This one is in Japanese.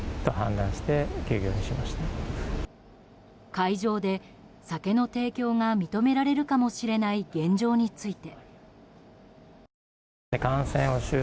会場で酒の提供が認められるかもしれない現状について。